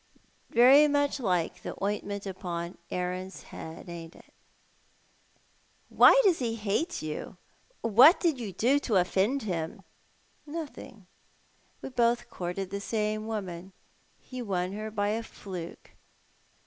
Very much like the ointment \\\soxx Aaron's head, ain't it ?"" Wliy does he hate you ? What did you do to ofifend him ?"" Nothing. "We both courted the same woman — he won her by a fluke.